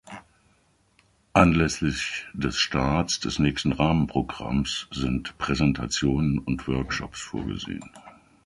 Anlässlich des Starts des nächsten Rahmenprogramms sind Präsentationen und Workshops vorgesehen.